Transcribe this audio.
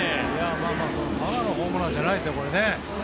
ただのホームランじゃないですね。